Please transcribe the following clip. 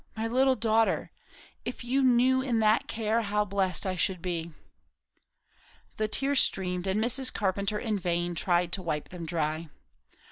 my little daughter! if I knew you in that care, how blessed I should be!" The tears streamed, and Mrs. Carpenter in vain tried to wipe them dry.